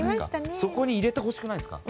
そこに入れてほしくないですか？